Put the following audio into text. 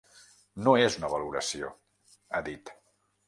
“No és una valoració”, ha dit.